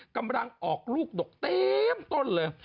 กำลังออกลูกดกเต็มต้นเลย